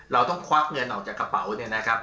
เราต้องควักเงินออกจากกระเป๋าเนี่ยนะครับ